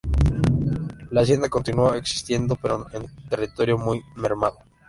La hacienda continuó existiendo pero con territorio muy mermado.